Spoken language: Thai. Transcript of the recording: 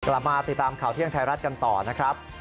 กลับมาติดตามข่าวเที่ยงไทยรัฐกันต่อนะครับ